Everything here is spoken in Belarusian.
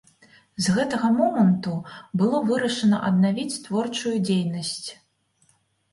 З гэтага моманту было вырашана аднавіць творчую дзейнасць.